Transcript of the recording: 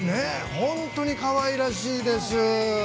本当にかわいらしいです。